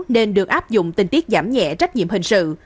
nên được áp dụng tình tiết giảm nhẹ trách nhiệm hình sự